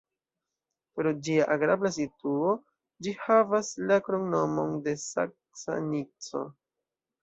Pro ĝia agrabla situo ĝi havas la kromnomon de "Saksa Nico".